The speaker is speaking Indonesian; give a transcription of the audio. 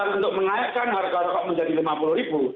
alasan untuk mengaikkan harga rokok menjadi rp lima puluh